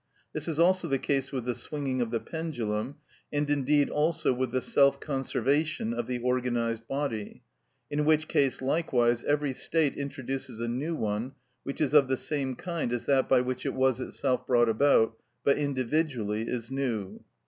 This is also the case with the swinging of the pendulum, and indeed also with the self conservation of the organised body, in which case likewise every state introduces a new one, which is of the same kind as that by which it was itself brought about, but individually is new.